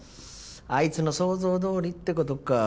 あいつの想像どおりって事か。